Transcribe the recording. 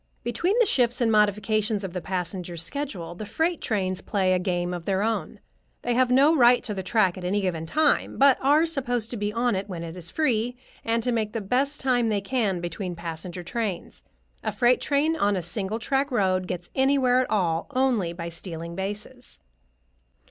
Between the shifts and modifications of the passenger schedule, the freight trains play a game of their own. They have no right to the track at any given time, but are supposed to be on it when it is free, and to make the best time they can between passenger trains. A freight train, on a single track road, gets anywhere at all only by stealing bases.